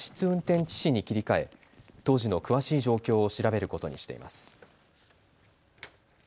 運転致死に切り替え当時の詳しい状況を調べることにしています。